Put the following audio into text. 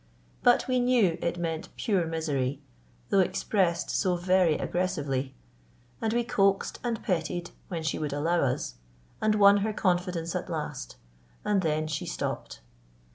But we knew it meant pure misery, though expressed so very aggressively; and we coaxed and petted when she would allow us, and won her confidence at last, and then she stopped.